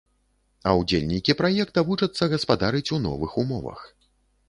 А ўдзельнікі праекта вучацца гаспадарыць у новых умовах.